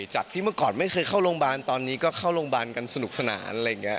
จากที่เมื่อก่อนไม่เคยเข้าโรงบาลตอนนี้ก็เข้าโรงบาลกันสนุกสนาน